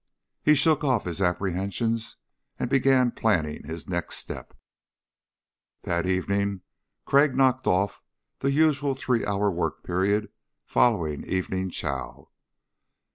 He shook off his apprehensions and began planning his next step. That evening Crag knocked off the usual three hour work period following evening chow.